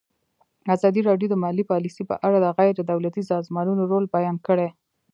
ازادي راډیو د مالي پالیسي په اړه د غیر دولتي سازمانونو رول بیان کړی.